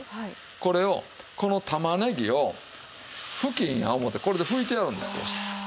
これをこの玉ねぎを布巾や思うてこれで拭いてやるんですこうして。